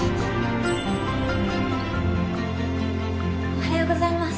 おはようございます。